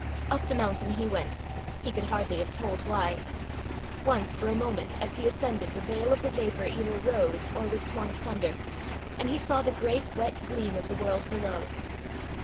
Up the mountain he went he could hardly have told why. Once, for a moment, as he ascended, the veil of the vapour either rose, or was torn asunder, and he saw the great wet gleam of the world below.